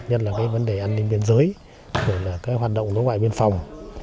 nhất là vấn đề an ninh biên giới hoạt động nước ngoại biên phòng